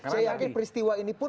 saya yakin peristiwa ini pun